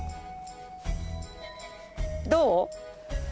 どう？